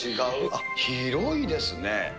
あっ、広いですね。